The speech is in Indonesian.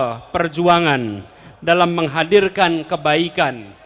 penanda awal perjuangan dalam menghadirkan kebaikan